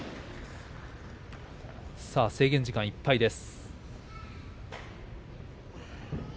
制限時間いっぱいです。